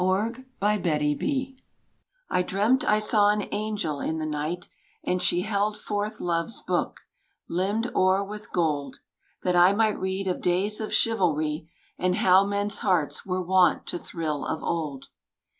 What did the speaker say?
The Book of Love I dreamt I saw an angel in the night, And she held forth Love's book, limned o'er with gold, That I might read of days of chivalry And how men's hearts were wont to thrill of old.